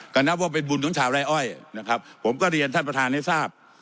ก็นับว่าเป็นบุญของชาวไร่อ้อยนะครับผมก็เรียนท่านประธานให้ทราบ